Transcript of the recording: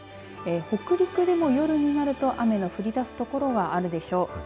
北陸でも夜になると雨の降り出す所があるでしょう。